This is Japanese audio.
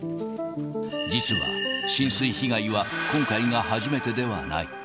実は浸水被害は今回が初めてではない。